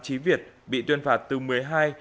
chí việt bị tuyên phạt từ một mươi hai ngày